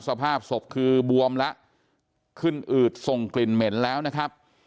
สภาพศพคือบวมแล้วขึ้นอืดส่งกลิ่นเหม็นแล้วนะครับ